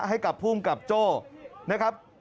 ให้กับภูมิกับโจ้นะครับ